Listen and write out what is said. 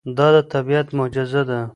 دا د طبیعت معجزه ده.